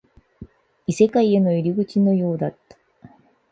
異世界への入り口のようだった